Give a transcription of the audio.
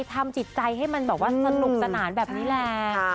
ทำจิตใจให้มันแบบว่าสนุกสนานแบบนี้แหละ